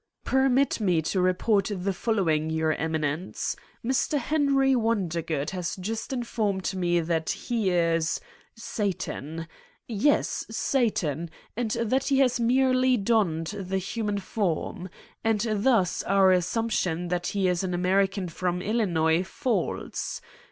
" Permit me to report the following, your Emi nence : Mr. Henry Wondergood has just informed me that he is Satan. Yes, Satan, and that he has merely donned the human form. And thus our assumption that he is an American from Illinois falls.